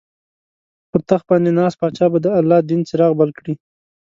پر تخت باندې ناست پاچا به د الله دین څراغ بل کړي.